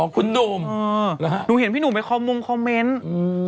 ครูเห็นพี่หนุ่มไหมคนมุมคอเม้นต์